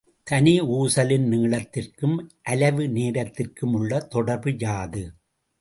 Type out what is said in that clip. தனி ஊசலின் நீளத்திற்கும் அலைவு நேரத்திற்குமுள்ள தொடர்பு யாது?